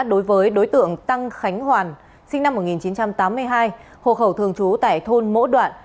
đối với đối tượng tăng khánh hoàn sinh năm một nghìn chín trăm tám mươi hai hộ khẩu thường trú tại thôn mỗ đoạn